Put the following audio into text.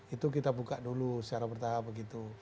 itu kita buka dulu secara bertahap begitu